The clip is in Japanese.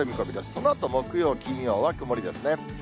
そのあと木曜、金曜は曇りですね。